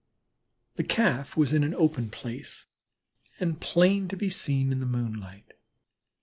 The Calf was in an open place, and plain to be seen in the moonlight.